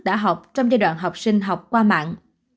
đã học trong giai đoạn học sinh học qua mạng